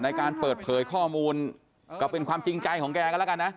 ในการเปิดเผยข้อมูลก็เป็นความจริงใจของแกกันแล้วกันนะ